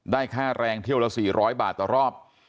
ค่าแรงเที่ยวละ๔๐๐บาทต่อรอบ